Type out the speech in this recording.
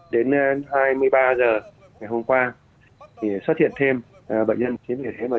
đến hai mươi ba h ngày hôm qua xuất hiện thêm bệnh nhân